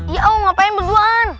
iya om ngapain berduaan